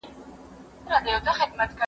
نو بیا ولي ګیله من یې له اسمانه